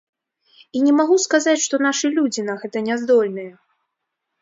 І не магу сказаць, што нашы людзі на гэта няздольныя.